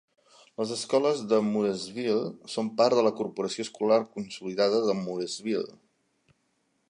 Les escoles de Mooresville són part de la Corporació Escolar Consolidada de Mooresville.